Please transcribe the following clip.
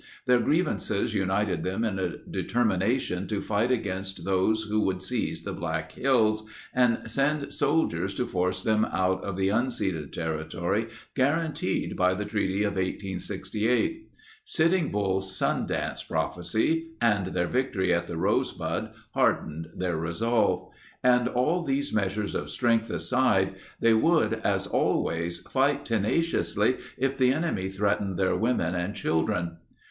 Their grievances united them in a determination to fight against those who would seize the Black Hills and send soldiers to force them out of the unceded territory guaranteed by the Treaty of 1868. Sitting Bull's sun dance prophecy and their victory at the Rosebud hardened their resolve. And all these measures of strength aside, they would, as always, fight tenaciously if the enemy threatened their women and children.